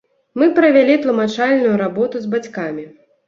Мы правялі тлумачальную работу з бацькамі.